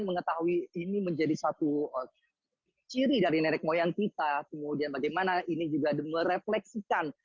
mengetahui ini menjadi satu ciri dari nenek moyang kita kemudian bagaimana ini juga merefleksikan